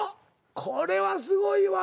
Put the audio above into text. これはすごいわ。